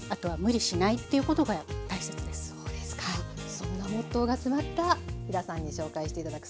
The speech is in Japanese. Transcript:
そんなモットーが詰まった飛田さんに紹介して頂く